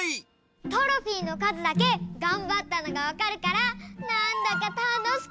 トロフィーのかずだけがんばったのがわかるからなんだかたのしくなってきた！